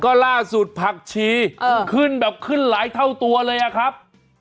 ก็ล่าสุดผักชีขึ้นแบบขึ้นหลายเท่าตัวเลยอะครับ